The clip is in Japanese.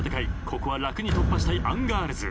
ここは楽に突破したいアンガールズ。